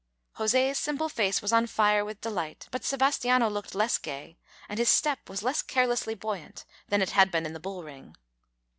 José's simple face was on fire with delight, but Sebastiano looked less gay, and his step was less carelessly buoyant than it had been in the bull ring.